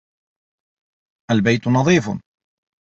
الْبَيْتُ نَظِيفٌ.